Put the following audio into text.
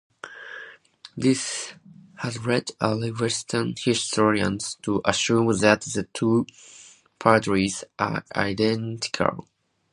This has led early Western historians to assume that the two parties are identical.